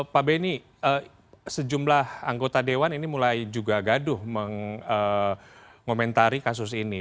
pak beni sejumlah anggota dewan ini mulai juga gaduh mengomentari kasus ini